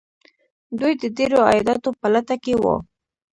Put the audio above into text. دوی د ډیرو عایداتو په لټه کې وو.